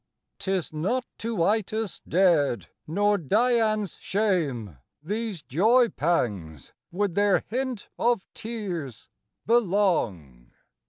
'Tis not to Itys dead nor Dian's shame These joy pangs, with their hint of tears, belong.